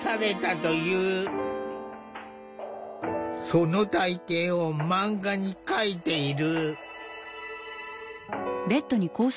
その体験を漫画に描いている。